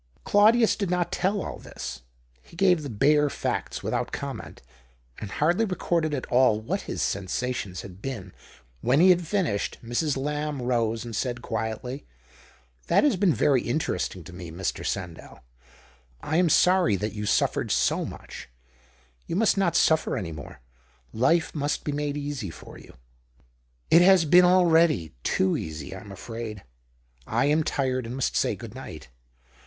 Claudius did not tell all this. He gave the bare facts without comment, and hardly recorded at all what his sensations had been. When he had finished, Mrs. Lamb rose, and said quietly — "That has been very interesting to mo, Mr. Sandell. I am sorry that you suft'ered 94 THE OCTAVE OF CLAUDIUS. SO much. You must not suffer any more — life must be made easy for you." " It has been already — too easy, I'm afraid." " I am tired, and must say good night."